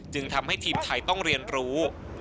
ทำให้ทีมไทยต้องเรียนรู้